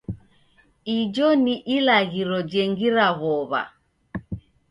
Ijo ni ilagho jengira w'ow'a.